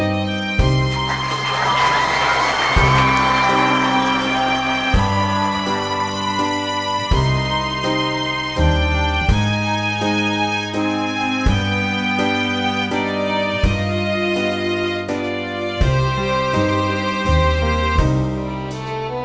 น้ำดาว